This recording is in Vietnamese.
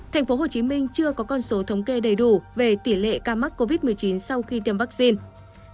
thành phố hồ chí minh chưa có con số thống kê đầy đủ về tỷ lệ ca mắc covid một mươi chín sau khi tiêm vaccine